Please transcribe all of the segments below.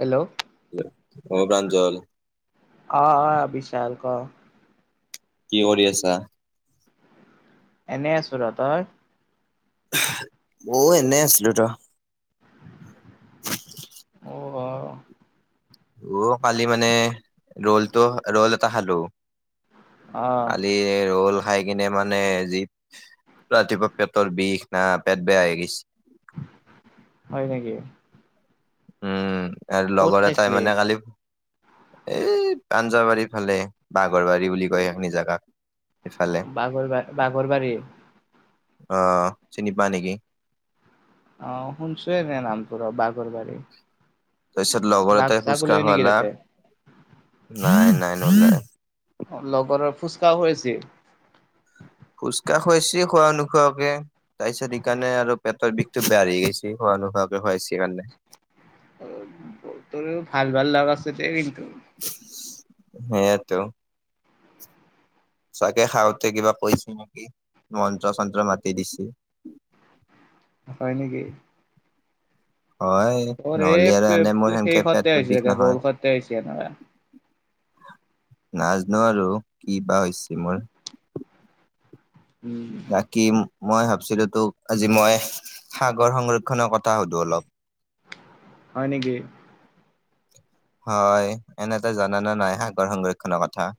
Hello অ প্ৰাঞ্জল আহ আহ বিচাল ক কি কৰি আছা? এনেই আছো ৰ তই অ এনে আছিলো ত অ অ অ কালি মানে ৰলটো ৰল এটা খালো। অ কালি ৰল খাই কিনে মানে যি ৰাতিপুৱা পেটৰ বিষ না পেট বেয়া হৈ গৈছ- হয় নেকি? উম আৰু ক'ত লগৰ এটাই খাইছিলি মানে কালি এই পাঞ্জাবাৰীৰ ফালে বাঘৰবাৰী বুলি কয় সখনি জেগা বাগৰ বা বাগৰ বাৰি আহ চিনি পাই নেকি অ শুনছোয়ে নে নামটো বাগৰবাৰি তাৰপিছত লগৰ এটাই খোজকাঢ়োৱা তাতে লাগ নাই নাই ন নাই লগৰৰ ফুচকাহ খোৱাইছে ফুচকাৰ খোৱাইছে খোৱা নোখোৱাকে তাৰপিছত সেইকাৰণে আৰু পেটৰ বিষ বেয়া লাগি গৈছে খোৱা নোখোৱাকৈ খোৱাছে কাৰণে। তোৰও ভাল ভাল লগ আছে দেই কিন্তু সেইটো চাগে খাওঁতে কিবা কৈছে নেকি মন্ত্ৰ চন্ত্ৰ মাতি দিছে। [inaudible] হয় নেকি হয় তোৰ এই নহলে আৰু এনে মোৰ সেই সেনকে সতে পেটটোত হৈছে বিষ চাগে ৰল নহয়। সতে হৈছে এনেকুৱা নাজানো আৰু কি বা হৈছে মোৰ। উম বাকি মই ভাবছিলো তোক আজি মই সাগৰ সংৰক্ষনৰৰ কথ- কথা সোধোঁ অলপ। হয় নেকি হয় এনেটা জানো নাই সাগৰ সংৰক্ষণৰ কথা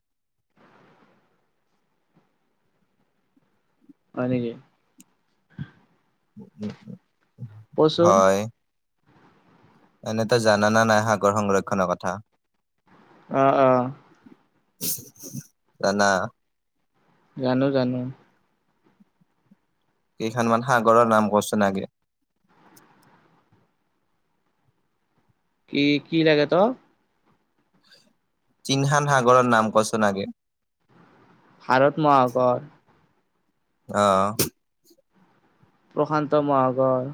হয় নেকি? কচোন হয় এনেতো জানানা নাই সাগৰ সংৰক্ষণৰ কথা আহ আহ জানা জানো জানো কেইখনমান সাগৰৰ নাম কচোন আগে? কি কি লাগে ত তিনহান সাগৰৰ নাম কচোন আগে ভাৰত মহাগৰ আহ প্ৰশান্ত মহাসাগৰ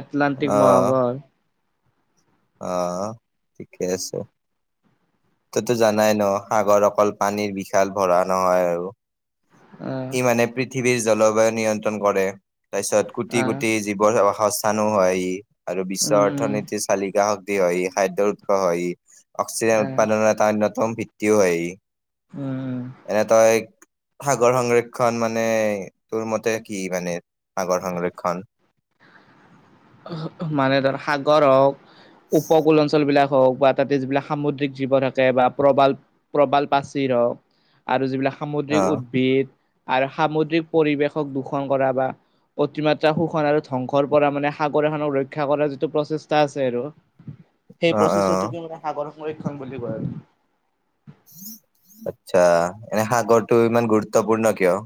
এটলান্টিটিক মহাসাগৰ আহ ঠিকে আছে ততো জানাই ন সাগৰ অকল পানীৰ বিশাল ভৰা নহয় আৰু আহ ই মানে পৃথিৱীৰ জলবায়ু নিয়ন্ত্ৰণ কৰে তাৰ পিছত কোটি আহ কোটি জীৱৰ- চানু হাই আৰু উম বিশ্বৰ উম অৰ্থনীতিৰ চালিকা শক্তি হয় ই খাদ্যৰ উৎস হয় ই অক্সিজেন আহ উৎপাদনৰ এটা অন্যতম ভিত্তিও হয় ই। উম এনে তই এক সাগৰ সংৰক্ষণ মানে তোৰ মতে কি মানে সাগৰ সংৰক্ষণ। [inaudible] মানে ধৰ সাগৰ হওক উপকূল অঞ্চল বিলাক হওক বা তাতে যিবিলাক সামুদ্ৰিক জীৱ থাকে বা প্ৰবাল প্ৰবাল পাচীৰ হওক আৰু যিবিলাক সামুদ্ৰিক অ', উদ্ভিদ আৰু সামুদ্ৰিক পৰিৱেশক দূষণ কৰা বা অতিমাত্ৰা শোষণ আৰু ধ্বংসৰ পৰা মানে সাগৰ এখনক ৰক্ষা কৰ যিটো প্ৰচেষ্টা আছে আৰু সেই অ', প্ৰচেষ্টটো অ', কি মানে সাগৰ সংৰক্ষণ বুলি কয় আৰু আচ্ছা এনে সাগৰটো ইমান গুৰুত্বপূৰ্ণ কিয়?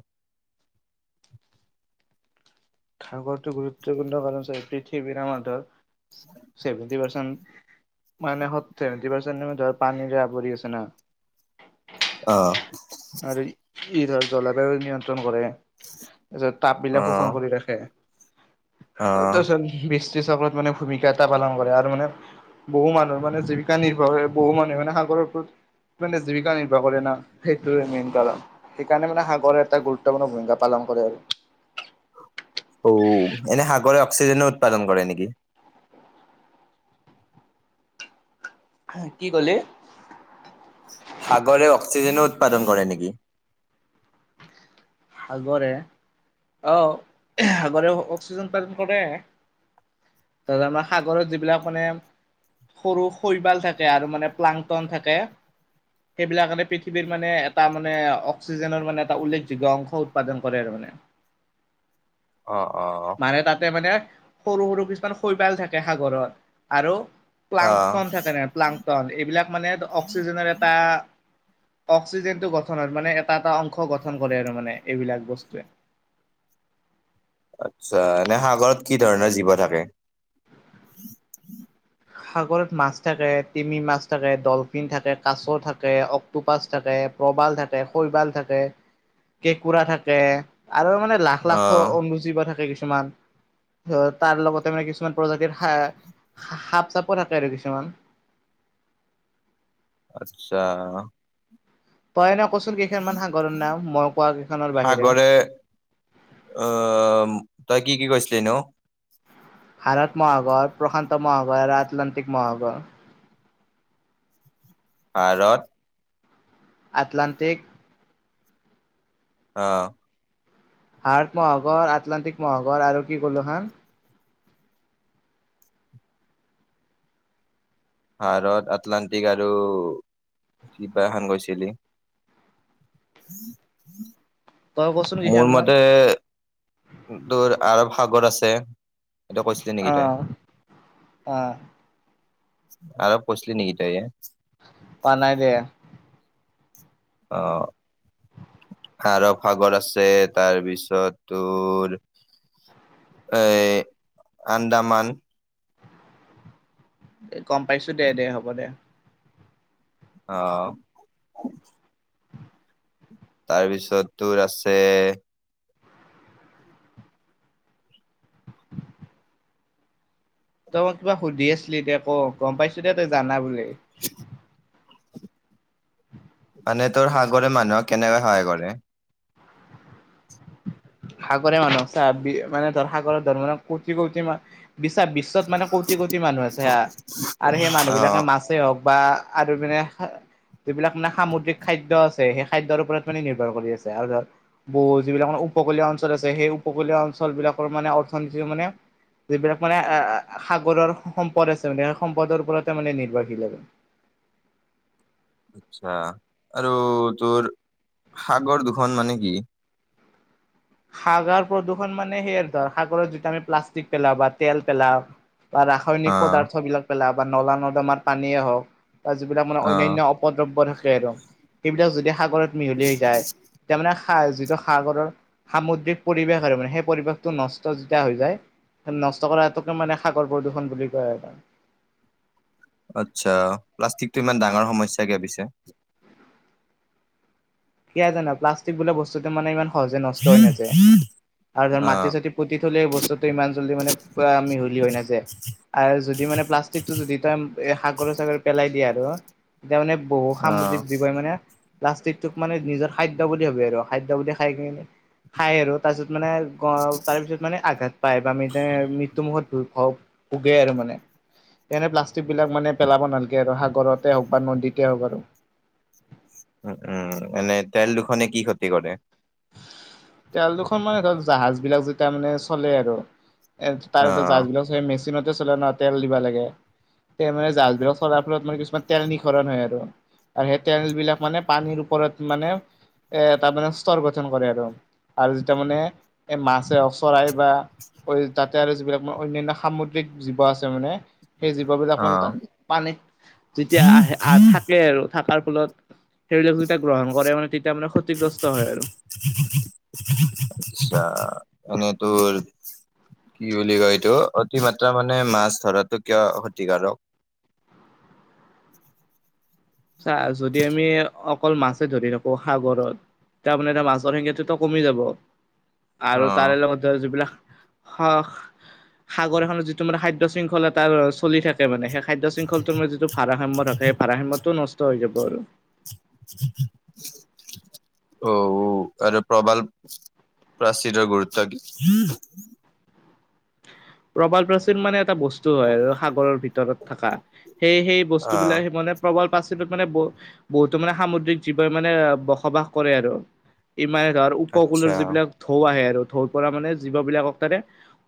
সাগৰটো গুৰুত্বপূৰ্ণ কাৰণ চা পৃথিৱী আমাৰ থৰ চেভেণ্টি পাৰ্চেণ্ট মানে সটি পাৰ্চেট ধৰ পানীৰে আৱৰি আছে না অ আৰু ই ধৰ জলবায়ু নিয়ন্ত্ৰণ কৰে। তাৰপিছত তাব বিলাক অ', শোষণ কৰি ৰাখে। অ'। বৃষ্টি চক্ৰত মানে ভূমিকা এটা পালন কৰে আৰু মানে বহু মানুহৰ মানে জীৱিকা নিৰ্ভৰ হয় বহু মানুহে মানে সাগৰৰ ওপৰত মানে জীৱিকা নিৰ্বাহ কৰে না সেই তুই মিন পালন সেইকাৰণে মানে সাগৰে এটা গুৰুত্বপূৰ্ণ ভূমিকা পালন কৰে অ এনে সাগৰে অক্সিজেনো উৎপাদন কৰে নেকি? হ কি ক'লে সাগৰে অক্সিজেনো উৎপাদন কৰে নেকি? সাগৰে অহ সাগৰে অক্সিজেন উৎপাদন কৰে। ত আমাৰ সাগৰত যিবিলাক মানে সৰু শৈবাল থাকে আৰু মানে প্লাংটন থাকে সেইবিলাকানে পৃথিৱীৰ মানে এটা মানে অক্সিজেনৰ মানে এটা উল্লেখযোগ্য অংশ উৎপাদন কৰে আৰু মানে অ অ। মানে তাতে মানে সৰু সৰু কিছুমান শৈপাল থাকে সাগৰত আৰু অ প্লাংটন থাকে নে প্লাংটন এইবিলাক মানে অক্সিজেনৰ এটা অক্সিজেন টো গঠন হয় মানে এটা এটা অংশ গঠন কৰে আৰু মানে এইবিলাক বস্তুৱে কিবা থাকে সাগৰত মাছ থাকে, টিমি মাছ থাকে, ডলফিন থাকে, কাছ থাকে, অক্টোপাছ থাকে, প্ৰবাল থাকে, শৈবাল থাকে, কেঁকুৰা থাকে, আৰু মানে লাখ অ লাখৰ অণুজীৱ থাকে কিছু মান ত তাৰ লগতে মানে কিছুমান প্ৰজাতিৰ সাপ চাপৰ থাকে আৰু কিছুমান আত্চ্ছা তই এনে কচোন কেইখনমান সাগৰৰ নাম মই কোৱা কেইখনৰ বাহিৰে অহ তই কি কি কৈছিলি নো ভাৰত মহাসাগৰ, প্ৰশান্ত মহাসাগৰ আৰু আটলান্টিক মহাসাগৰ। ভাৰত আটলাণ্টিক অহ ভাৰত মহাসাগৰ, আটলান্টিক মহাগৰ আৰু কি কলো হা ভাৰত, আটলান্টিক আৰু কিবা এখন কৈছিলি উম তই কচোন হম [inaudible] মোৰ কেইখনমান মতে ধৰ আৰৱ সাগৰ আছে এইটো কৈছিলি নেকি তই? অহ অহ আৰৱ কৈছিলি নেকি তই? কোৱা নাই দে। অহ আৰৱ সাগৰ আছে তাৰ পিছত তোৰ এ আন্দামান গম পাইছো দে দে হ'ব দে অহ তাৰপিছত তোৰ আছে তই মই কিবা সুধি আছিলি এতিয়া ক গম পাইছো দে তই জানা বুলি [unintelligible] মানে তোৰ সাগৰে মানুহক কেনেকৈ সহায় কৰে সাগৰে মানুহক চা মানে ধৰ সাগৰত ধৰ মানে কৌটি কৌটি মানুহ বিশ্বাস বিশ্বত মানে কোটি কোটি মানুহ আছে হা, আৰু সেই মানুহ অ বিলাকে মাছেই হওক বা আৰু মানে যিবিলাক মানে সামুদ্ৰিক খাদ্য আছে সেই খাদ্যৰ ওপৰত মানে নিৰ্ভৰ কৰি আছে আৰু ধৰ বৌ যিবিলাক মা উপকূলীয় অঞ্চল আছে সেই উপকূলীয় অঞ্চল বিলাকৰ মানে অৰ্থনীতি মানে যিবিলাক মানে আহ সাগৰৰ সম্পদ আছে মানে সেই সম্পদৰ ওপৰতে মানে নিৰ্ভৰশীল আৰু। [unintelligible] আচ্ছা আৰু তোৰ সাগৰ দুখন মানে কি? সাগৰ প্ৰদূষণ মানে সেইয়া আৰু ধৰ সাগৰত যিটো আমি প্লাষ্টিক পেলাওঁ বা তেল পেলাওঁ বা অ ৰাসায়নিক পদাৰ্থ বিলাক পেলা বা নলা নৰ্দমাৰ পানীয়ে হওক ত যিবিলাক মানে অ অন্যান্য অপদ্ৰব্য থাকে আৰু সেইবিলাক যদি সাগৰত মিহলি হৈ যায় তেতিয়া মানে স যিটো সাগৰৰ সামুদ্ৰিক পৰিৱেশ আৰু মানে সেই পৰিৱেশটো নষ্ট যেতিয়া হৈ যায় নষ্ট কৰাটোকে মানে সাগৰ প্ৰদূষণ বুলি কয় আৰু। আচ্ছা, প্লাষ্টিকটো ইমান ডাঙৰ সমস্যা কিয় পিছে? কিয় জান প্লাষ্টিক বোলা ব্স্তু তো মানে ইমান সহজে নষ্ট হৈ নাযায়। আৰু ধৰ অ মাটি চাটি পুতি থলে এই বস্তুটো ইমান জলদি মানে পৰা মিহলি হয় নাযায়। আৰু যদি মানে প্লাষ্টিকটো যদি তই এ সাগৰে চাগৰে পেলাই দিয়ে আৰু, এতিয়া মানে বহু অ সামুদ্ৰিক জীৱই মানে প্লাষ্টিক তোক মানে নিজৰ খাদ্য বুলি ভাবে আৰু খাদ্য বুলি খাই কি খাই আৰু তাৰপিছত মানে তাৰপিছত মানে আঘাত পায় বা মৃত্যুমুখত ভ উগাই আৰু মানে এনে প্লাষ্টিক বিলাক মানে পেলাব নালাগে আৰু সাগৰতে হওক বা নদীতে হওক আৰু। উ উম এনে তেল দুখনে কি ক্ষতি কৰে? তেল দুখনৰ মানে ধৰক জাহাজ বিলাক যেতিয়া মানে চলে আৰু এ তাৰ অ এ জাজবিলাক চেই মেচিনতে চলে ন তেল দিবা লাগে তে মানে জাজবিল চলাৰ ফলত মানে কিছুমান তেল নিখৰণ হয় আৰু আৰু সেই তেটনেল বিলাক মানে পানীৰ ওপৰত মানে এ তাৰমানে ৰ গঠন কৰে আৰু, আৰু যেতিয়া মানে এই মাছে অচৰাই বা তাত আৰু যিবিলাক মান অন্যান্য সামুদ্ৰিক জীৱ আছে মানে সেই জীৱ বিলাক অ পানীত তাত পানী যেতিয়া আহে আহ থাকে আৰু থকাৰ ফলত সেইবিলাক যেতিয়া গ্ৰহণ কৰে মানে তেতিয়া ক্ষতিগ্ৰস্ত হয় আৰু। আচ্ছা এনে তোৰ কি বুলি কয় এইটো অতি মাত্ৰা মানে মাছ ধৰাটো কিয় ক্ষতিকাৰক? চা যদি আমি অক- অকল মাছে ধৰি থাকো সাগৰত, তাৰমানে মাছৰ সংখ্যাটোতো কমি যাব অ আৰু তাৰে লগত যিবিলাক সাগৰ এখনত যিটো মানে খাদ্য শৃংখল এটা চলি থাকে মানে শেষ খাদ্য শৃংখলটো ম যিটো ভাৰসাম্য থাকে সেই ভাৰসাম্য টো নষ্ট হৈ যাব আৰু অ আৰু প্ৰবাল প্ৰাচীৰ গুৰুত্ব কি? প্ৰবাল প্ৰাচীন মানে বস্তু হয় আৰু সাগৰৰ ভিতৰত থকা, সেই সেই অ বস্তুবিলাক মানে প্ৰবাল পাচ- মানে ব বহুতো মানে সামুদ্ৰিক জীৱন মানে বসবাস কৰে আৰু। ইমাৰৰ ধৰ উপকুলৰ আচ্ছা যিবিলাক ধৌ আহে আৰু ধৌ পৰা মানে জীৱ বিলাকক তাতে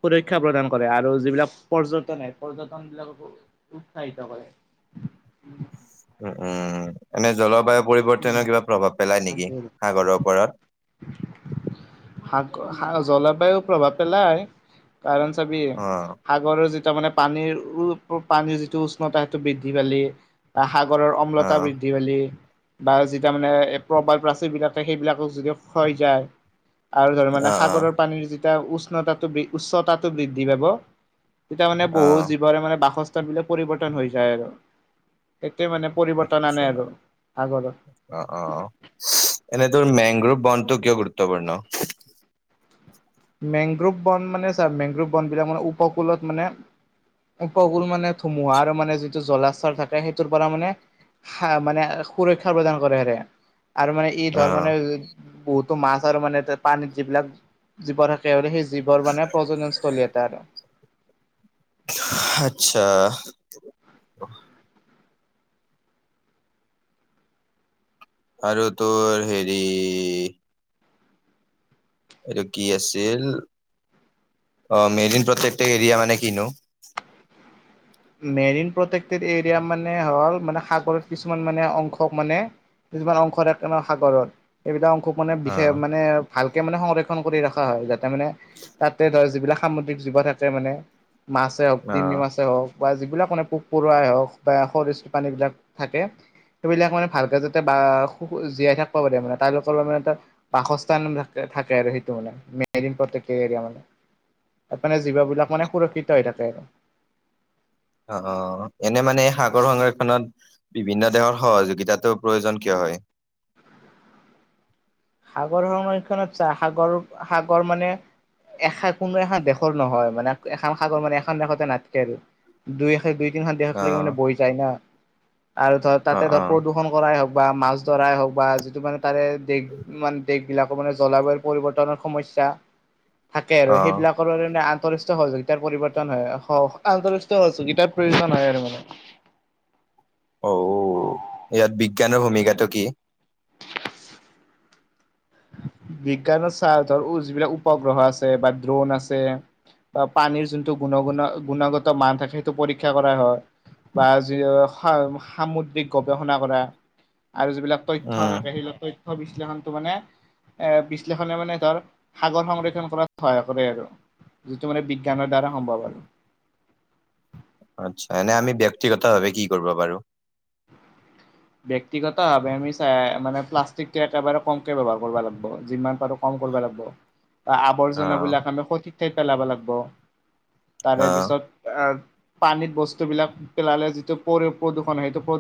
সুৰক্ষা প্ৰদান কৰে আৰু যিবিলাক পৰ্যটনে পৰ্যটন বিলাককো উৎসাহিত কৰে। উম উম, উম এনে জলবায়ু উম পৰিৱৰ্তনৰ কিবা প্ৰভাৱ পেলায় নেকি তাকেই সাগৰৰ ওপৰত। সাগ জলবায়ু প্ৰভাৱ পেলায় কাৰণ চাবি অ', সাগৰৰ যি তাৰ মানে পানীৰ পানীৰ যিটো উষ্ণতা সেইটো বৃদ্ধি পালি সাগৰৰ অম্লতা অ', বৃদ্ধি পালী বা যিটো মানে প্ৰবল প্ৰাচীবিলাক সেইবিলাকক যদি ক্ষয় যায় আৰু ধৰ মানে অ', অ', সাগৰৰ পানীৰ যেতিয়া উষ্ণতাটো উচ্চতাটো বৃদ্ধি পাব তেতিয়া মানে বহুত অ', জীৱৰে মানে বাসস্থান বিলাক পৰিৱৰ্তন হৈ যায় আৰু মানে পৰিৱৰ্তন আনে আচ্ছা আৰু সাগৰত অ অ অ এনে ত মেংগ্ৰোভ বনটো কিয় গুৰুত্বপূৰ্ণ? মেংগ্ৰোভ বন মানে ছাৰ মেংগ্ৰভ বনবিলাক মানে উপকূলত মানে উপকূল মানে ধুমুহা আৰু মানে যিটো জলাশৰ থাকে সেইটোৰ পৰা মানে মানে সুৰক্ষা প্ৰদান কৰে হেৰে আৰু মানে এই ধৰ অ', মানে বহুতো মাছ আৰু মানে পানীত যিবিলাক জীৱ তেওঁ সেই জীৱৰ মানে প্ৰজননস্তলি এটা আৰু আত্চ্ছা আৰু তোৰ হেৰি আৰু কি আছিল? অ মেদিন প্ৰত্যেকটিত এৰিয়া মানে কি নো? মেৰিন প্ৰটেকটিড এৰিয়া মানে হল মানে সাগৰত কিছুমান মানে অংশক মানে। কিছুমান অংশৰে সাগৰত এইবিলাক অংশ খুব মানে বিশেষ অ', মানে ভালকে মানে সংৰক্ষণ কৰি ৰখা হয় যাতে মানে তাতে ধৰ যিবিলাক সামুদ্ৰিক জীৱ থাকে মানে মাছেই হওক তিমি অ', মাছেই হওক। বা যিবিলাক মানে পোক পৰুৱাই হওক বা শৰিচ পানীবিলাক থাকে। সেইবিলাক মানে ভালকে যাতে বাস জীয়াই থাকিব পাৰে, মানে তাহাতলোকৰ মানে এটা বাসস্থান থাকে। থাকে আৰু সেইটো মানে মে মেদিন প্ৰত্যেক এ- তাৰ মানে জীৱ বিলাক মানে সুৰক্ষিত হৈ থাকে। অ এনে মানে সাগৰ সংৰক্ষণত বিভিন্ন দেশৰ সহযোগিতাতটো প্ৰয়োজন কিয় হয়? [inaudible] সাগৰ সংৰক্ষণত চা সাগৰ সাগৰ মানে এখান কোনো এখন দেশৰ নহয় মানে এখন সাগৰ মানে এখন দেশতে নাথাকে আৰু দুই এ দুই তিন খান দেহলৈকে মানে অ', বৈ যায় ন। আৰু ধৰ অ', তাতে ধৰ অ', প্ৰদূষণ কৰাই হওক বা মাছ ধৰাই হওক বা যিটো মানে তাৰে দেশ মানে দেশ বিলাকৰ মানে জলবায়ু পৰিৱৰ্তনৰ সমস্যা, থাকে আৰু অ'। সেইবিলাকৰে আ আন্তষ্ট সহযোগিতা পৰিৱৰ্তন হয় স আন্তষ্টীয় সহোগিতাৰ প্ৰয়োজন হয় আৰু মানে অ ইয়াত বিজ্ঞানৰ ভূমিকাটো কি? বিজ্ঞানৰ স্বাৰ্থৰ যিবিলাক উপগ্ৰহ আছে বা ড্ৰোন আছে। বা পানীৰ যোনটো গুণুণ গুণগত মান থাকে সেইটো পৰীক্ষা কৰা হয়। বা যি সামুদ্ৰিক গৱেষণা কৰা। আৰু যিবিলাক তথ্য উম থাকে সেইবিলাক তথ্য বিশ্লেষণটো মানে। এ বিশ্লেষণে মানে ধৰ সাগৰ সংৰক্ষণ কৰাত সহায় কৰে আৰু। যিটো মানে বিজ্ঞানৰ দ্বাৰা সম্ভৱ হয়। আচ্ছা এনে আমি ব্যক্তিগত ভাৱে কি কৰিব পাৰো। ব্যক্তিগত ভাৱে আমি চাই মানে প্লাষ্টিক একেবাৰে কমকে ব্যৱহাৰ কৰিব লাগিব যিমান পাৰো কম। কৰবা লাগিব। অ আৱৰ্জনাবিলাক আমি সঠিক ঠাই পেলাব লাগিব তাৰে অ পিছত আহ পানীত বস্তু বিলাক পেলালে যিটো প্ৰদূষণ সেইটো